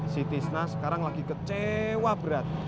si tisna sekarang lagi kecewa berat